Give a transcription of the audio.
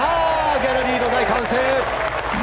ギャラリーの大歓声！